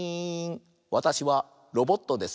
わたしはロボットです。